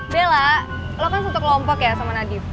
bella lo kan satu kelompok ya sama najib